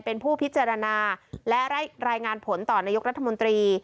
เป็นผู้พิจารณาและรายงานผลต่อนายกรัฐมนตรี